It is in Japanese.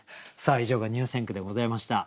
さあ以上が入選句でございました。